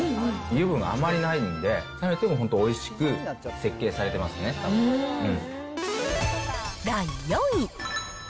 油分があまりないんで、冷めても本当においしく設計されてますね第４位。